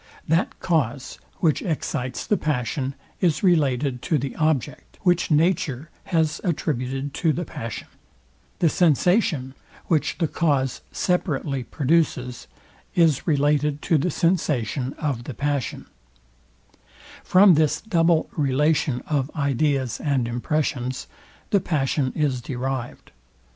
That cause, which excites the passion, is related to the object, which nature has attributed to the passion; the sensation, which the cause separately produces, is related to the sensation of the passion: From this double relation of ideas and impressions, the passion is derived.